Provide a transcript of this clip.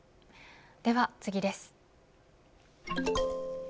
では次です。